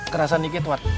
kerasa dikit ward